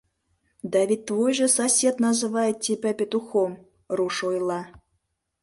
Да ведь твой же сосед называет тебя петухом, — руш ойла.